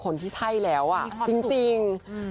คุณผู้ชมค่ะคุณผู้ชมค่ะ